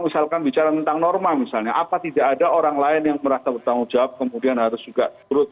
misalkan bicara tentang norma misalnya apa tidak ada orang lain yang merasa bertanggung jawab kemudian harus juga turut